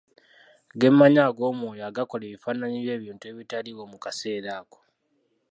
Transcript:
Ge maanyi ag'omwoyo, agakola ebifaananyi by'ebintu ebitaliiwo mu kaseera ako.